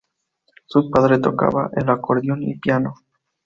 Su padre tocaba el acordeón y piano.